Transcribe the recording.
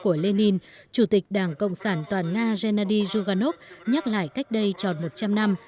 trong thời bình nhà nước của lê ninh chủ tịch đảng cộng sản toàn nga gennady ruganov nhắc lại cách đây tròn một trăm linh năm